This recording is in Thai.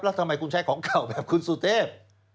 แล้วทำไมคุณใช้ของเก่าแบบคุณสุเทพ